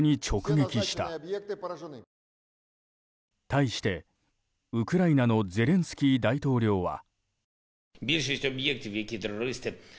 対して、ウクライナのゼレンスキー大統領は。